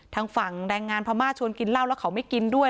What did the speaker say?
ทางฝั่งแรงงานพม่าชวนกินเหล้าแล้วเขาไม่กินด้วย